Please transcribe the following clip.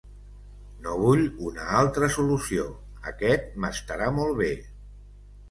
No vull una altra solució, aquest m'estarà molt bé.